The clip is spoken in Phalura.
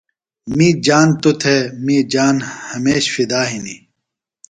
میری جان توۡ تھےۡ می جان ہمیش فدا ہِنیۡ۔